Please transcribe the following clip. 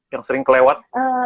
yang sering kelewat